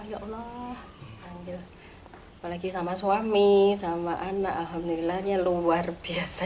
ya allah apalagi sama suami sama anak alhamdulillah ini luar biasa